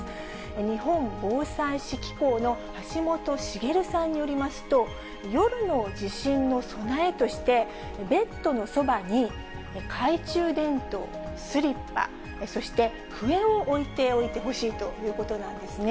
日本防災士機構の橋本茂さんによりますと、夜の地震の備えとして、ベッドのそばに懐中電灯、スリッパ、そして笛を置いておいてほしいということなんですね。